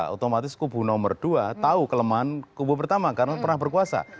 otomatis kubu nomor dua tahu kelemahan kubu pertama karena pernah berkuasa